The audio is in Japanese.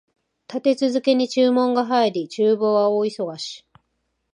立て続けに注文が入り、厨房は大忙し